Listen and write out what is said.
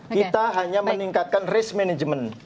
kita hanya meningkatkan risk management